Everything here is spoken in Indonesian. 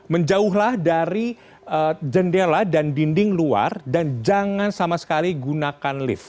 menjauhlah dari jendela dan dinding luar dan jangan sama sekali gunakan lift